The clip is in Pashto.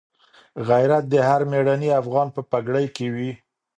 غیرت د هر مېړني افغان په پګړۍ کي وي.